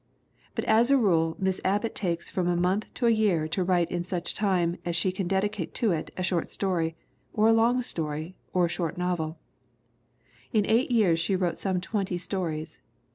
But as a rule Miss Abbott takes from a month to a year to write in such time as she can dedicate to it a short story, or a long short story, or a short novel. In eight years she wrote some twenty stories.